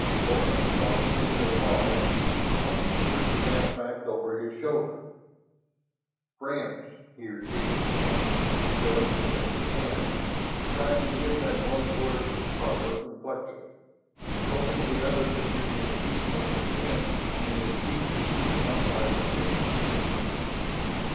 Rolling the thongs into a ball, he tossed the crude net back over his shoulder. "Friends?" he repeated again, showing his empty hands, trying to give that one word the proper inflection, hoping the other could read his peaceful intent in his features if not by his speech.